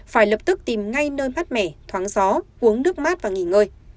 phải lập tức tìm ngay nơi mát mẻ thoáng gió uống nước mát và nghỉ ngơi